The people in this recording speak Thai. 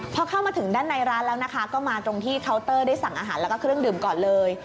พอเข้ามาถึงด้านในร้านแล้วนะคะก็มาตรงที่เคาน์เตอร์ได้สั่งอาหารแล้วก็เครื่องดื่มก่อนเลย